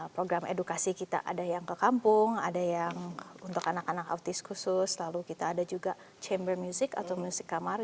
program edukasi kita ada yang ke kampung ada yang untuk anak anak autis khusus lalu kita ada juga chamber music atau music kamar